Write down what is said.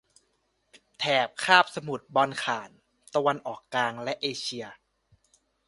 แถบคาบสมุทรบอลข่าน ตะวันออกกลาง และเอเชีย